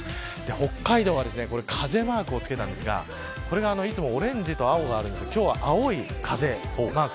北海道は風マークを付けましたがいつもオレンジと青があるんですが今日は青い風マーク